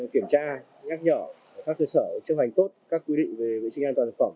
kiểm tra nhắc nhở các cơ sở chấp hành tốt các quy định về vệ sinh an toàn thực phẩm